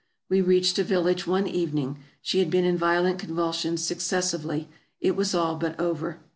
We reached a village one evening ; she had been in violent convulsions successively; it was all but over.